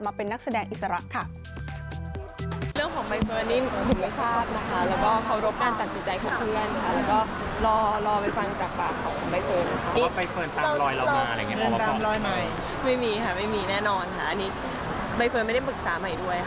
เหอะอะไรก็ใหม่อะไรก็ใหม่